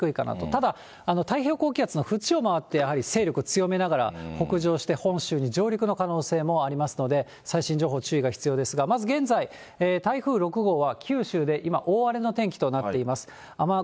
ただ、太平洋高気圧の縁を回って、やはり勢力強めながら、北上して、本州に上陸の可能性もありますので、最新情報、注意が必要ですが、まず現在、台風６号は九州で今、大荒れの天気となっています。